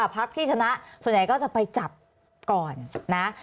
พักที่ชนะส่วนใหญ่ก็จะไปจับก่อนนะ